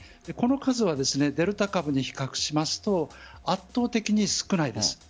この数はデルタ株に比較しますと圧倒的に少ないです。